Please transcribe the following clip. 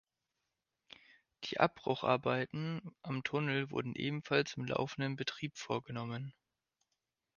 Die Abbrucharbeiten am Tunnel wurden ebenfalls im laufenden Betrieb vorgenommen.